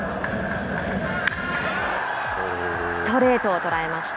ストレートを捉えました。